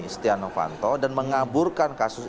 setia novanto dan mengaburkan kasus